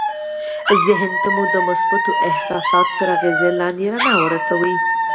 ذهن ته مو د مثبتو احساساتو تر اغېز لاندې رڼا ورسوئ